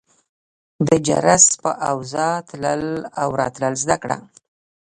د جرس په اوزا تلل او راتلل زده کړه.